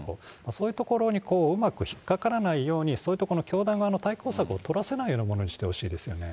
そういうところにうまく引っ掛からないようにそういうところの教団側の対抗策を取らせないようなものにしてほしいですよね。